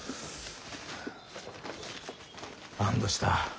安堵した。